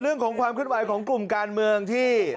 เรื่องของความขึ้นไหวของกลุ่มการเมืองที่